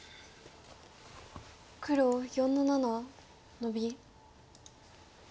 黒４の七ノビ。